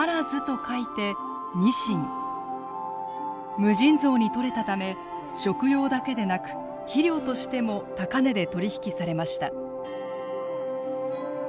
無尽蔵に取れたため食用だけでなく肥料としても高値で取り引きされました。